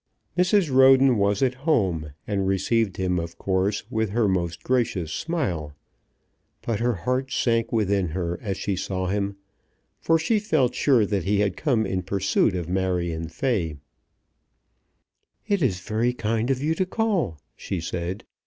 Mrs. Roden was at home, and received him, of course, with her most gracious smile; but her heart sank within her as she saw him, for she felt sure that he had come in pursuit of Marion Fay. "It is very kind of you to call," she said.